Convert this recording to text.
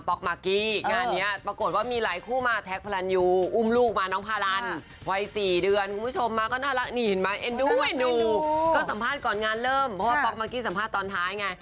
เพราะว่าป๊อกเมื่อกี้สัมภาษณ์ตอนท้ายไง